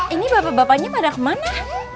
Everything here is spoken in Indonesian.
ini bapak bapaknya pada kemana